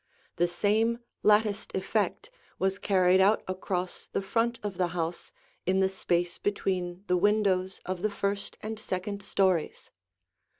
The same latticed effect was carried out across the front of the house in the space between the windows of the first and second stories.